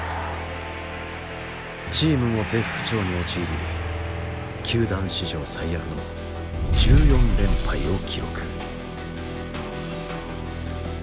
チームも絶不調に陥り球団史上最悪の１４連敗を記録。